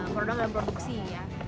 produk dalam produksi ya